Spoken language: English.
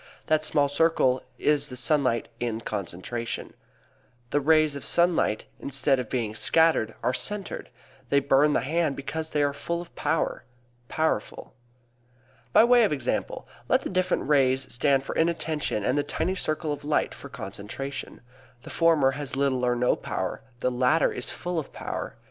That small circle is the sunlight in concentration. The rays of sunlight, instead of being scattered, are centered. They burn the hand because they are full of power powerful. By way of example: Let the different rays stand for inattention and the tiny circle of light for concentration. The former has little or no power; the latter is full of power.